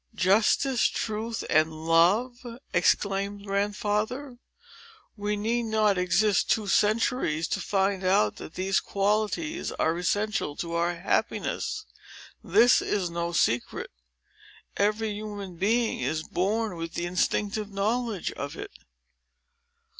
"Justice, Truth, and Love!" exclaimed Grandfather. "We need not exist two centuries to find out that these qualities are essential to our happiness. This is no secret. Every human being is born with the instinctive knowledge of it."